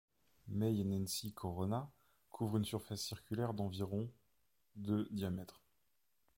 May Enensi Corona couvre une surface circulaire d'environ de diamètre.